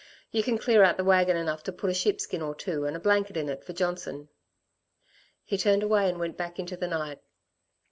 You can clear out the wagon enough to put a sheepskin or two and a blanket in it for Johnson." He turned away and went back into the night.